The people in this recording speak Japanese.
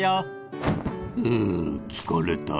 うん疲れた。